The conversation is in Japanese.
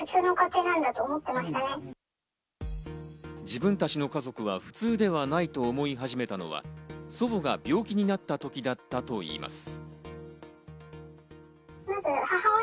自分たちの家族は普通ではないと思い始めたのは、祖母が病気になった時だったといいます。